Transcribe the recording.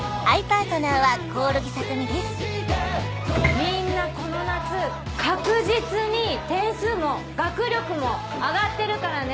みんなこの夏確実に点数も学力も上がってるからね。